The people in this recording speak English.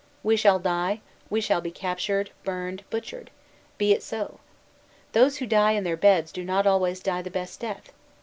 We shall die; we shall be captured, burned, butchered: be it so. Those who die in their beds do not always die the best death.